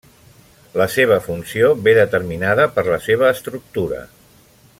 La seva funció ve determinada per la seva estructura.